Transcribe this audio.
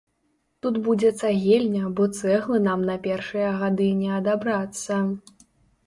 Тут будзе цагельня, бо цэглы нам на першыя гады не адабрацца.